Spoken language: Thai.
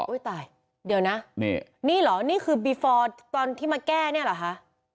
โอ้ยตายเดี๋ยวนะนี่หรอนี่คือเบฟอร์ตอนที่มาแก้นี่หรอคะ